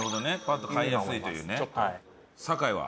パッと買いやすいというね。